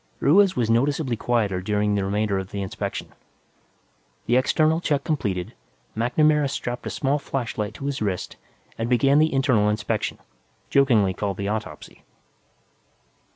Ruiz was noticeably quieter during the remainder of the inspection. The external check completed, MacNamara strapped a small flashlight to his wrist and began the internal inspection, jokingly called the autopsy.